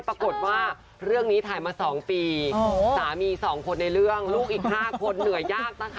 ปรากฏว่าเรื่องนี้ถ่ายมา๒ปีสามี๒คนในเรื่องลูกอีก๕คนเหนื่อยยากนะคะ